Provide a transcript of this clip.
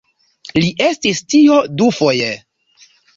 Li estis tio dufoje.